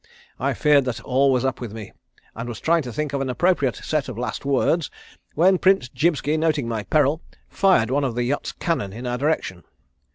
I feared that all was up with me, and was trying to think of an appropriate set of last words, when Prince Jibski, noting my peril, fired one of the yacht's cannon in our direction.